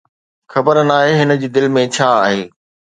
خبر ناهي، هن جي دل ۾ ڇا آهي؟